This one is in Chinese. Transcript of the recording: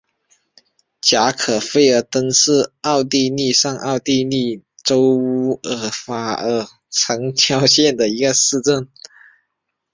申肯费尔登是奥地利上奥地利州乌尔法尔城郊县的一个市镇。